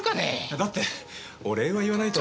だってお礼を言わないと。